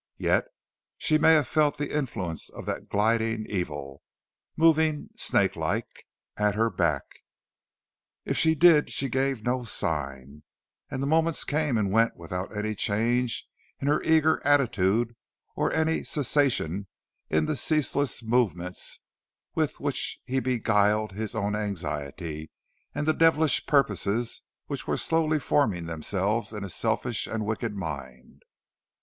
Yet she may have felt the influence of that gliding Evil, moving, snake like, at her back. If she did she gave no sign, and the moments came and went without any change in her eager attitude or any cessation in the ceaseless movements with which he beguiled his own anxiety and the devilish purposes which were slowly forming themselves in his selfish and wicked mind.